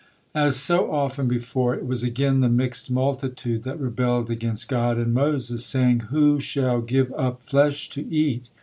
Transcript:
As so often before, it was again the mixed multitude that rebelled against God and Moses, saying: "Who shall give up flesh to eat?